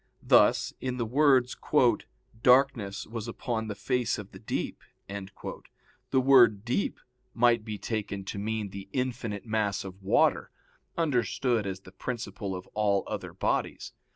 Thus in the words, "Darkness was upon the face of the deep," the word "deep" might be taken to mean the infinite mass of water, understood as the principle of all other bodies.